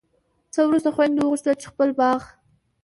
څخه وروسته خویندو وغوښتل چي د خپل باغ